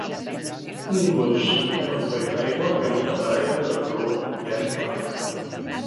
Un gos amb una ampolla d'aigua camina per aigua de color verd clar.